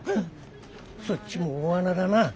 そっちも大穴だな。